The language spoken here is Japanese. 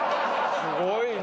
すごいな。